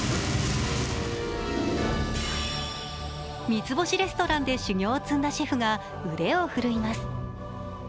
三つ星レストランで修業を積んだシェフが腕を振るいます。